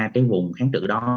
cái vùng kháng cử đó